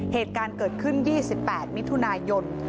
เหตุการณ์เกิดขึ้น๒๘มิถุนายน